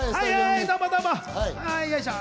よいしょ！